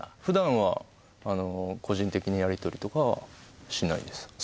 ふだんは個人的なやり取りとかはしないです。